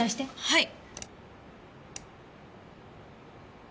はい。